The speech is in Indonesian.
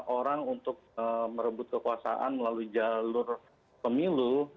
orang untuk merebut kekuasaan melalui jalur pemilu